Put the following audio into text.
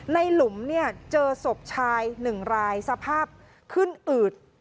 ในหลุมเจอศพชายหนึ่งรายสภาพขึ้นอืด